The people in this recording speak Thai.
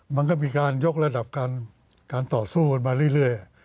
มันก็มีการยกระดับการต่อสู้กันมาเรื่อย